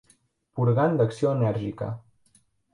Purgant d'acció enèrgica.